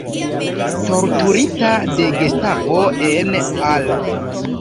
Torturita de gestapo en Al.